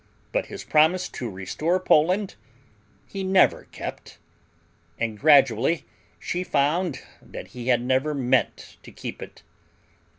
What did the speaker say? But his promise to restore Poland he never kept, and gradually she found that he had never meant to keep it.